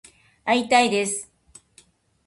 会いたいんです。